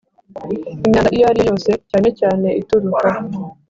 Imyanda iyo ari yo yose cyane cyane ituruka